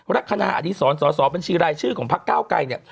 รักษณะอาทิสรสสเป็นชีวิตรายชื่อของพระเก้าไกร